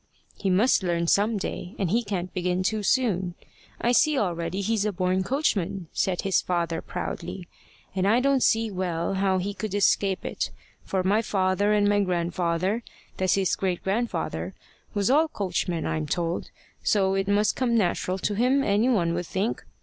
"He must learn some day, and he can't begin too soon. I see already he's a born coachman," said his father proudly. "And I don't see well how he could escape it, for my father and my grandfather, that's his great grandfather, was all coachmen, I'm told; so it must come natural to him, any one would think.